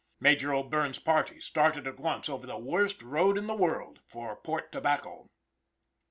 Major O'Bierne's party started at once over the worst road in the world for Port Tobacco.